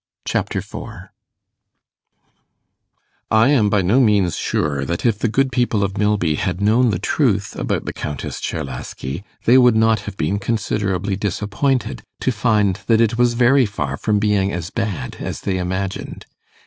Chapter 4 I am by no means sure that if the good people of Milby had known the truth about the Countess Czerlaski, they would not have been considerably disappointed to find that it was very far from being as bad as they imagined.